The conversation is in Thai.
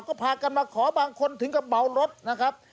ทิวบ้างคอบางคนมามาที่บาวรถครับ